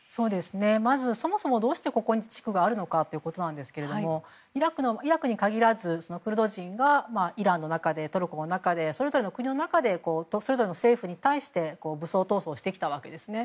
まず、そもそもどうしてここに自治区があるかということですがイラクに限らずクルド人がイラクの中で、トルコの中でそれぞれの国の中でそれぞれの政府に対して武装闘争をしてきたんです。